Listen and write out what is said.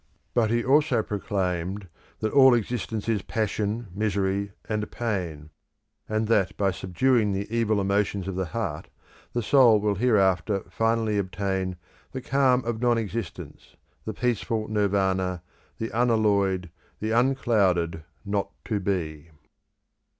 But he also proclaimed that all existence is passion, misery, and pain, and that by subduing the evil emotions of the heart the soul will hereafter finally obtain the calm of non existence, the peaceful Nirvana, the unalloyed, the unclouded Not to Be.